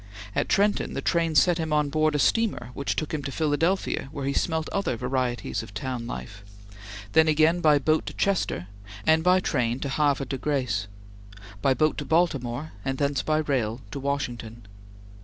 At Trenton the train set him on board a steamer which took him to Philadelphia where he smelt other varieties of town life; then again by boat to Chester, and by train to Havre de Grace; by boat to Baltimore and thence by rail to Washington.